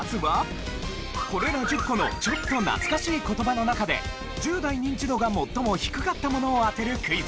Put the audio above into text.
これら１０個のちょっと懐かしい言葉の中で１０代ニンチドが最も低かったものを当てるクイズ。